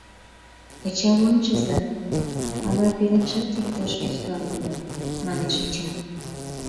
— Кычал ончыза, ала пеленжат иктаж ӱзгар уло, — манеш Эчан.